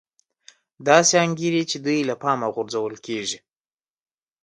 داسې انګېري چې دوی له پامه غورځول کېږي